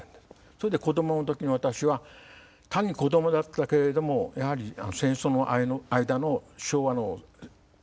それで子どものときに私は単に子どもだったけれどもやはり戦争の間の昭和の前期